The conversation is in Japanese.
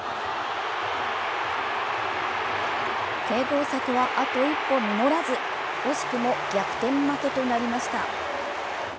継投策はあと一歩実らず、惜しくも逆転負けとなりました。